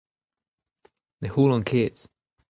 Ne c'houllan ket.